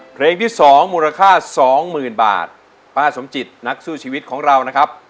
เพลงที่สองมูลค่าสองหมื่นบาทป้าสมจิตนักสู้ชีวิตของเรานะครับ